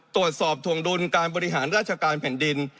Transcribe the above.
ตรวจสอบถวงดุลการบริหารราชการแผ่นดิน